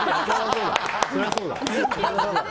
そりゃそうだ。